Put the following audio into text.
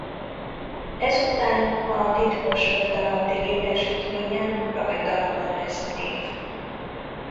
Ezután a titkos föld alatti létesítményen rajta ragadt ez a név.